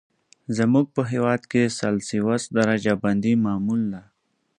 زموږ په هېواد کې سلسیوس درجه بندي معمول ده.